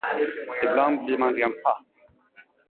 Ibland blir man rent paff.